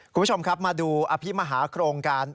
คุณผู้ชมครับมาดูอภิมหาโครงการ